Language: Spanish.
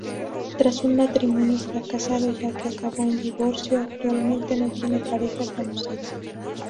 Tras un matrimonio fracasado, ya que acabó en divorcio, actualmente no tiene pareja conocida.